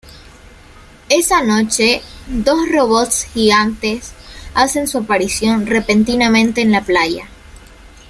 Esa noche, dos robots gigantes hacen su aparición repentinamente en la playa.